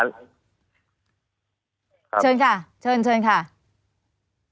เชิญค่ะ